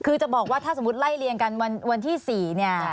คือจะบอกว่าถ้าสมมุติไล่เรียงกันวันที่๔เนี่ย